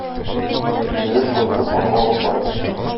Егет кызны ханга алып барды.